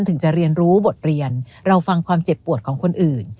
ถึงจะเรียนรู้บทเรียนเราฟังความเจ็บปวดของคนอื่น